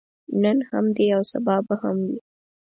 نن هم دی او سبا به هم وي.